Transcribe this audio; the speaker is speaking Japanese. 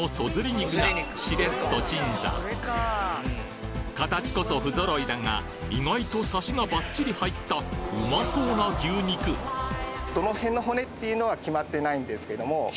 肉がしれっと鎮座形こそ不揃いだが意外とサシがバッチリ入ったうまそうな牛肉決まってないんですか？